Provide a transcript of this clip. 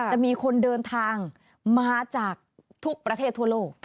จะมีคนเดินทางมาจากทุกประเทศทั่วโลก